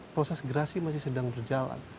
proses gerasi masih sedang berjalan